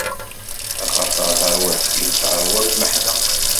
Axaṭer tarwiḥt-iw teṛwa lmeḥna.